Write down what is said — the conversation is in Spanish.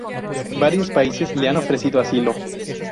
Varios países le han ofrecido asilo.